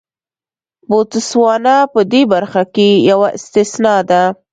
بوتسوانا په دې برخه کې یوه استثنا ده.